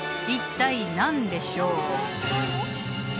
一体何でしょう？